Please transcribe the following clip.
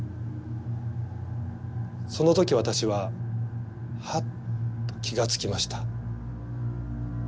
その時私はハッと気が付きました。